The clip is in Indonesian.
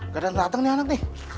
gakdan dateng nih anak nih